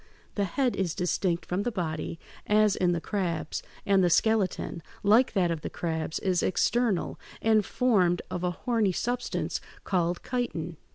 The head is distinct from the body, as in the crabs, and the skeleton, like that of the crabs, is external, and formed of a horny substance called chitin.